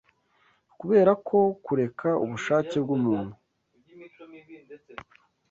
Kubera ko kureka ubushake bw’umuntu